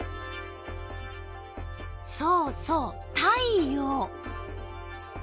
そうそう太陽。